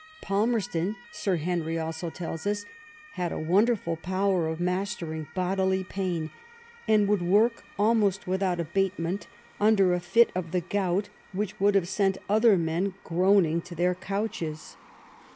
Palmerston, Sir Henry also tells us, had a wonderful power of mastering bodily pain, and would work almost without abatement under a fit of the gout which would have sent other men groaning to their couches.